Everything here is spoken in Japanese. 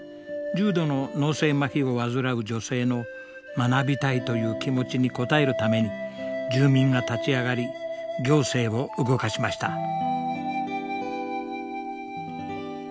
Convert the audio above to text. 重度の脳性まひを患う女性の学びたいという気持ちに応えるために住民が立ち上がり行政を動かしました。